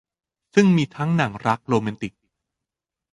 ซึ่งมีทั้งหนังรักโรแมนติก